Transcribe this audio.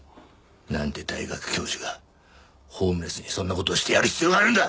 なんで大学教授がホームレスにそんな事をしてやる必要があるんだ！